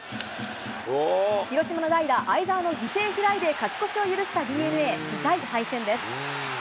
広島の代打、會澤の犠牲フライで勝ち越しを許したＤｅＮＡ。